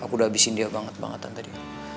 aku udah habisin dia banget bangetan tadi